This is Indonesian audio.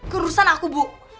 keurusan aku bu